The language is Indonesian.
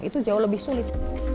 itu jauh lebih sulit